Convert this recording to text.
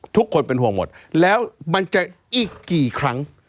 ทุกคนเป็นห่วงหมดแล้วมันจะอีกกี่ครั้ง